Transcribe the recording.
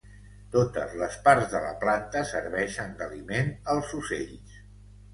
Totes les parts de la planta serveixen d'aliment als ocells.